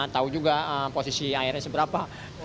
tahu juga posisi airnya seberapa